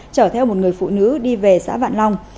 chở theo một người phụ nữ đi về xã vạn long